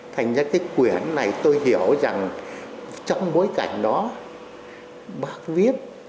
thành ra cái quyển này tôi hiểu rằng trong bối cảnh đó bác viết